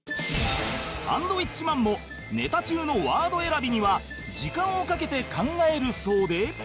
サンドウィッチマンもネタ中のワード選びには時間をかけて考えるそうで